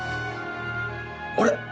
あれ？